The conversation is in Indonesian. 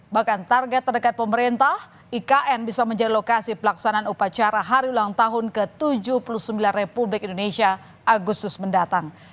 bahkan target terdekat pemerintah ikn bisa menjadi lokasi pelaksanaan upacara hari ulang tahun ke tujuh puluh sembilan republik indonesia agustus mendatang